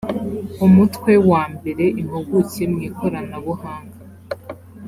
umutwe wa mbere impuguke mwikoranabuhanga